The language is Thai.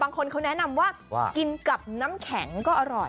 บางคนเขาแนะนำว่ากินกับน้ำแข็งก็อร่อย